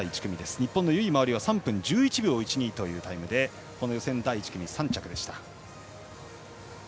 日本の由井真緒里は３分１１秒１２というタイムでこの予選第１組、３着。